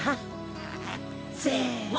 せの。